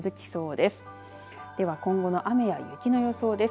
では、今後の雨や雪の予想です。